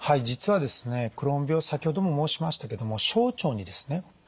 実はですねクローン病先ほども申しましたけども小腸にですね